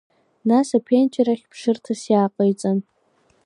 Нас аԥенџьыр ахь ԥшырҭас иааҟаиҵан…